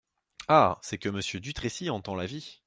Ah ! c’est que Monsieur Dutrécy entend la vie !…